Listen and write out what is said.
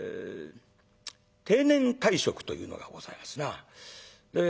定年退職というのがございますな。